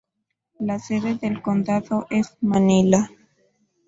La sede del condado es Manila.